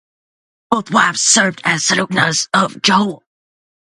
Both wives served as Sultanahs of Johor.